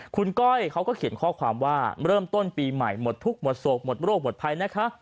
คุณก้อยเขาก็เขียนข้อความว่าเริ่มต้นปีใหม่หมดทุกข์หมดโศกหมดโรคหมดภัยนะคะ